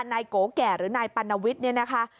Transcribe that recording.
นายโกแก่หรือนายปัณวิทย์เนี่ยนะคะ